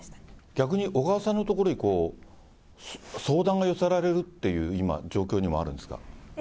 逆に小川さんの所に相談が寄せられるっていう、今、状況にもそうです。